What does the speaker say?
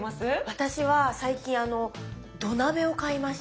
私は最近土鍋を買いまして。